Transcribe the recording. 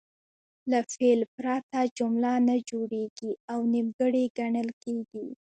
له فعل پرته جمله نه جوړیږي او نیمګړې ګڼل کیږي.